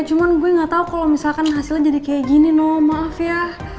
cuman gue gak tau kalau misalkan hasilnya jadi kayak gini no maaf ya